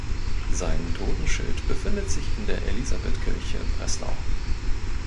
Sein Totenschild befindet sich in der Elisabethkirche (Breslau).